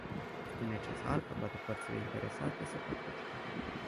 Este necesar ca toate părțile interesate să participe.